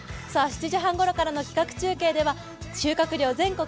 ７時半ごろからの企画中継では収穫量全国